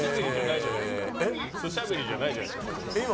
素しゃべりじゃないじゃないですか。